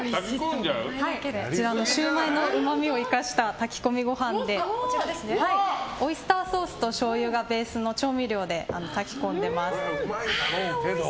シウマイのうまみを生かした炊き込みご飯でオイスターソースとしょうゆがベースの調味料で炊き込んでいます。